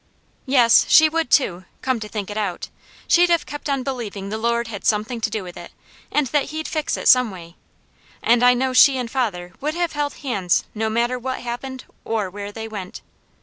Yes, she would too; come to think it out she'd have kept on believing the Lord had something to do with it, and that He'd fix it some way; and I know she and father would have held hands no matter what happened or where they went.